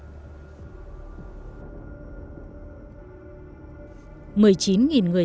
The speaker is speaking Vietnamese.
một mươi chín năm năm hai nghìn sáu thảm họa kinh hoàng tái diễn tại nhật bản